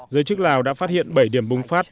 giới chức lào đã phát hiện bảy điểm bùng phát